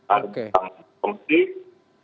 ada petang pemerintah